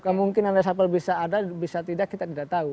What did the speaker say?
kemungkinan reshuffle bisa ada bisa tidak kita tidak tahu